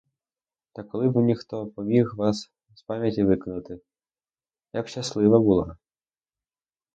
Та коли б мені хто поміг вас з пам'яті викинути, я б щаслива була!